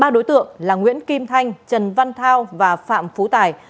ba đối tượng là nguyễn kim thanh trần văn thao và phạm phú tài